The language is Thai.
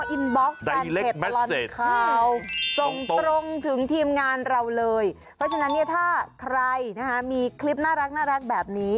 อินบล็อกแฟนเพจตลอดข่าวส่งตรงถึงทีมงานเราเลยเพราะฉะนั้นเนี่ยถ้าใครนะคะมีคลิปน่ารักแบบนี้